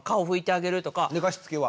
寝かしつけは？